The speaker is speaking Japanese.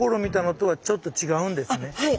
はい。